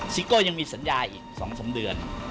โก้ยังมีสัญญาอีก๒๓เดือน